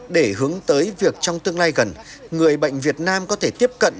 để hướng tới việc trong tương lai gần người bệnh việt nam có thể tiếp cận